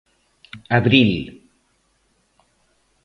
Abril